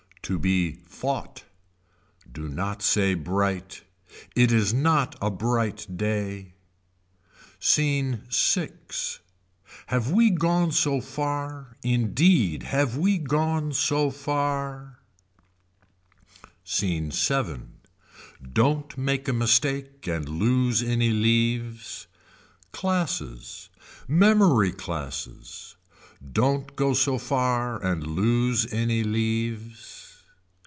To be fought. Do not say bright. It is not a bright day. Scene VI. Have we gone so far indeed have we gone so far. Scene VII. Don't make a mistake and lose any leaves. Classes. Memory classes. Don't go so far and lose any leaves.